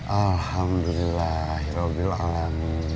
alhamdulillah ya allah